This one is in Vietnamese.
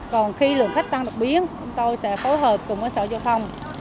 còn khi lượng khách tăng đặc biến chúng tôi sẽ phối hợp cùng với sở châu phòng